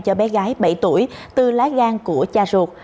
cho bé gái bảy tuổi từ lá gang của cha ruột